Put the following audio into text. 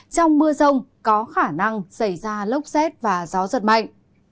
trong mưa rông có khả năng xảy ra lốc xét và gió giật mạnh